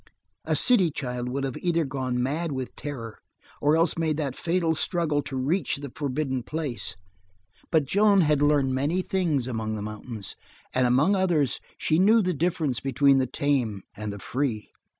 A city child would have either gone mad with terror or else made that fatal struggle to reach the forbidden place, but Joan had learned many things among the mountains, and among others, she knew the difference between the tame and the free.